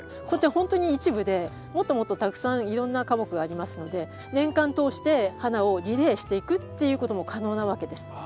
これってほんとに一部でもっともっとたくさんいろんな花木がありますので年間通して花をリレーしていくっていうことも可能なわけです。